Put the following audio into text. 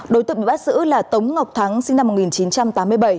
đối tượng bị bắt giữ là tống ngọc thắng sinh năm một nghìn chín trăm tám mươi bảy